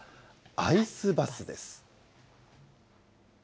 アイスバスです。